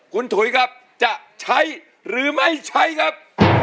คุณถุยครับจะใช้หรือไม่ใช้ครับ